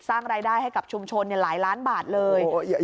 สร้างรายได้ให้กับชุมชนหลายล้านบาทเลย